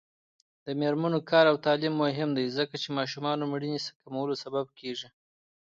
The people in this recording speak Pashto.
د میرمنو کار او تعلیم مهم دی ځکه چې ماشومانو مړینې کمولو سبب دی.